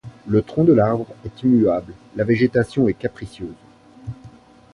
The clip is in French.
Le tronc de l’arbre est immuable, la végétation est capricieuse.